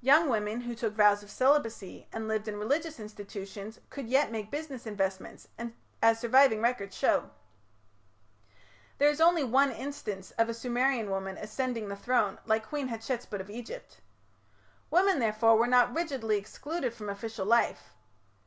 Young women who took vows of celibacy and lived in religious institutions could yet make business investments, as surviving records show. There is only one instance of a Sumerian woman ascending the throne, like Queen Hatshepsut of Egypt. Women, therefore, were not rigidly excluded from official life.